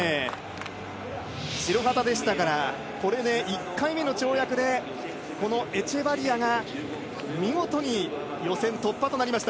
白旗でしたから、これで１回目の跳躍でエチュバリアが見事に予選突破となりました。